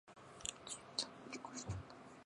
ツウィちゃんと結婚したいな